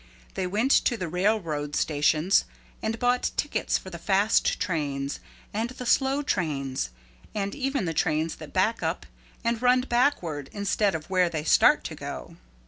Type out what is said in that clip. They went to the railroad stations and bought tickets for the fast trains and the slow trains and even the trains that back up and run backward instead of where they start to go.